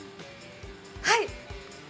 はい。